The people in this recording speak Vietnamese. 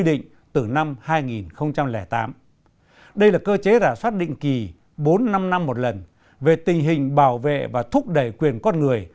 đây là cơ chế rả soát định kỳ bốn năm năm một lần về tình hình bảo vệ và thúc đẩy quyền con người